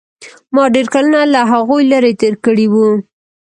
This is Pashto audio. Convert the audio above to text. ما ډېر کلونه له هغوى لرې تېر کړي وو.